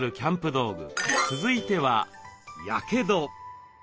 道具続いては「やけど」。